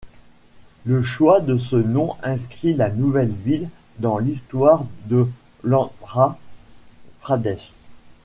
Le choix de ce nom inscrit la nouvelle ville dans l'histoire de l'Andhra Pradesh.